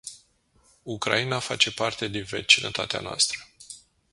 Ucraina face parte din vecinătatea noastră.